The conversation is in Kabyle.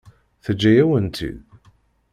Teǧǧa-yawen-tt-id?